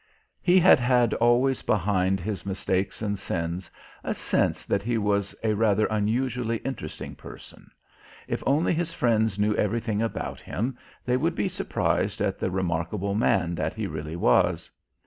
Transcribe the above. He had had always behind his mistakes and sins a sense that he was a rather unusually interesting person; if only his friends knew everything about him they would be surprised at the remarkable man that he really was.